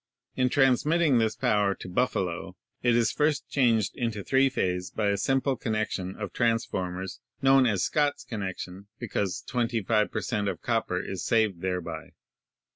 In transmitting this power to Buffalo, it is first changed to three phase by a simple con nection of transformers — known as Scott's connection — because 25 per cent, of copper is saved thereby.